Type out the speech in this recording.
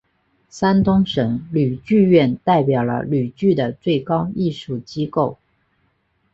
山东省吕剧院代表了吕剧的最高艺术机构。